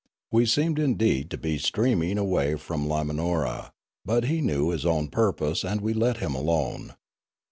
We seemed indeed to be steaming away from Limanora ; but he knew his own purpose, and we let him alone.